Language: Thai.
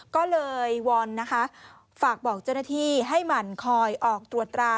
ก็เลยวอนนะคะฝากบอกเจ้าหน้าที่ให้หมั่นคอยออกตรวจตรา